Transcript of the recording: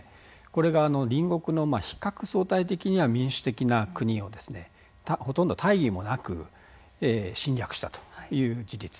これが、隣国の比較相対的には民主的な国をほとんど大義もなく侵略したという事実。